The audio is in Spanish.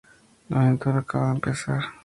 La aventura acaba de empezar.